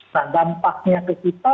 nah dampaknya ke kita